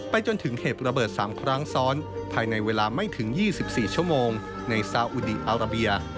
จนถึงเหตุระเบิด๓ครั้งซ้อนภายในเวลาไม่ถึง๒๔ชั่วโมงในซาอุดีอาราเบีย